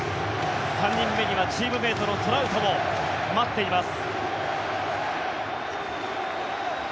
３人目にはチームメートのトラウトも待っています。